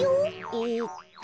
えっと